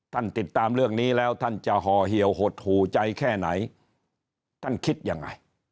ท่านติดตามเรื่องนี้แล้วท่านจะฮ่อเหี่ยวหดหูใจแค่ไหน